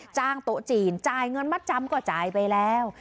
จ้างโต๊ะจีนจ่ายเงินมัดจำก็จ่ายไปแล้ว